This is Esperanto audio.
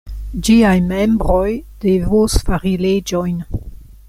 Ĝiaj membroj devos fari leĝojn.